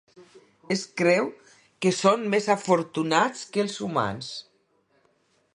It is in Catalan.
Es creu que són més afortunats que els humans?